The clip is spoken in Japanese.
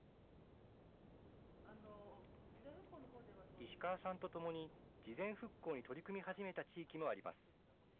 石川さんと共に事前復興に取り組み始めた地域もあります。